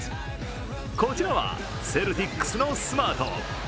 こちらはセルティックスのスマート。